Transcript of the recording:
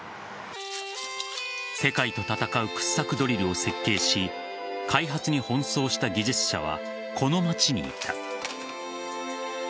世界と戦う掘削ドリルを設計し開発に奔走した技術者はこの街にいた。